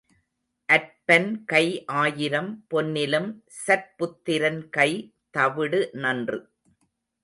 அற்பன் கை ஆயிரம் பொன்னிலும் சற்புத்திரன் கைத் தவிடு நன்று.